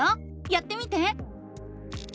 やってみて！